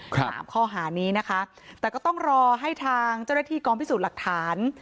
สามข้อหานี้นะคะแต่ก็ต้องรอให้ทางเจ้าหน้าที่กองพิสูจน์หลักฐาน